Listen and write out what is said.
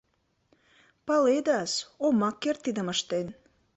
Паледас, омак керт тидым ыштен.